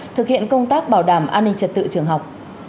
thực hiện công tác bảo đảm an ninh trật tự trường học